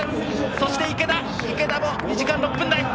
そして、池田も２時間６分台！